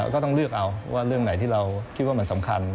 ก็ต้องเลือกเอาว่าเรื่องไหนที่เราคิดว่ามันสำคัญ